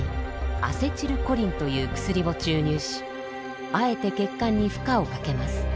アセチルコリンという薬を注入しあえて血管に負荷をかけます。